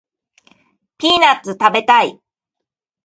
ピーナッツ食べたい